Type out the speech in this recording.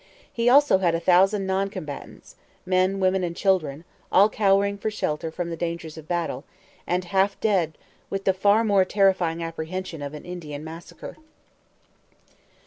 He also had a thousand non combatants men, women, and children all cowering for shelter from the dangers of battle, and half dead with the far more terrifying apprehension of an Indian massacre.